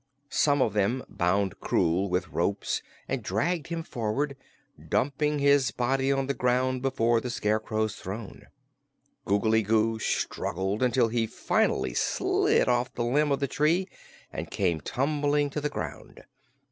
Some of them bound Krewl with ropes and dragged him forward, dumping his body on the ground before the Scarecrow's throne. Googly Goo struggled until he finally slid off the limb of the tree and came tumbling to the ground.